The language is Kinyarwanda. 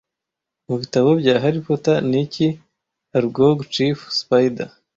Mubitabo bya Harry Potter niki Aragog Chief Spider